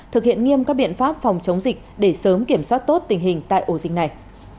thực hiện nghiêm các biện pháp phòng chống dịch để sớm kiểm soát tốt tình hình tại ổ dịch này